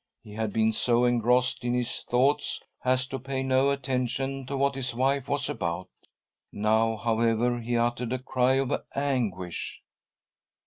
He had been so engrossed in his thoughts as to pay no attention to what his wife was about. Now, however, he uttered a cry of anguish.